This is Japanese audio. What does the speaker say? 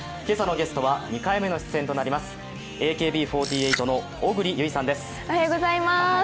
今朝のゲストは２回目の出演となります